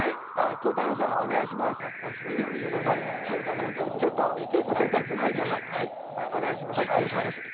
孝太郎さん、お願いします。